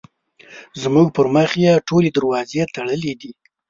زموږ پر مخ یې ټولې دروازې تړلې دي.